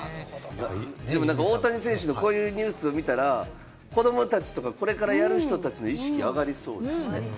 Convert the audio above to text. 大谷選手のこういうニュースを見たら、子供たちとか、これからやる人たちの意識が上がりそうですね。